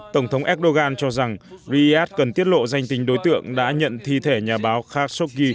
tổng thống erdogan cho rằng riyadh cần tiết lộ danh tính đối tượng đã nhận thi thể nhà báo khashoggi